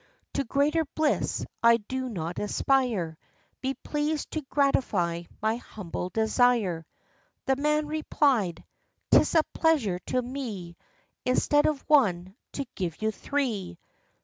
To greater bliss I do not aspire; Be pleased to gratify my humble desire." The man replied, "'Tis a pleasure to me, Instead of one, to give you three."